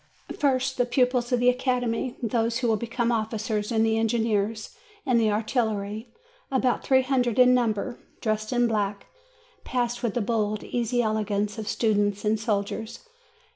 First, the pupils of the Academy, those who will become officers in the Engineers and the Artillery, about three hundred in number, dressed in black, passed with the bold easy elegance of students and soldiers.